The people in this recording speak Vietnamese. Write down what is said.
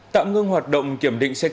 tạm ngưng hoạt động kiểm định xe cơ sở